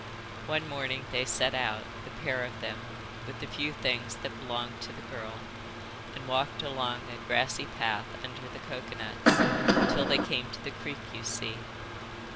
One morning they set out, the pair of them, with the few things that belonged to the girl, and walked along a grassy path under the coconuts, till they came to the creek you see.